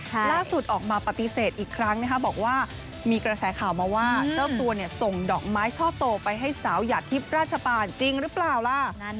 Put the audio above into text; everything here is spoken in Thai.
ล่าสุดออกมาปฏิเสธอีกครั้งนะคะบอกว่ามีกระแสข่าวมาว่าเจ้าตัวส่งดอกไม้ช่อโตไปให้สาวหยาดทิพย์ราชปานจริงหรือเปล่าล่ะ